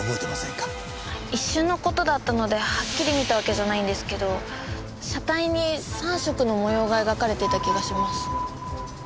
一瞬の事だったのではっきり見たわけじゃないんですけど車体に３色の模様が描かれていた気がします。